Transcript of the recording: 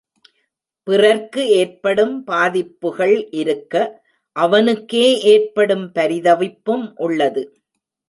பிறர்க்கு ஏற்படும் பாதிப்புகள் இருக்க அவனுக்கே ஏற்படும் பரிதவிப்பும் உள்ளது.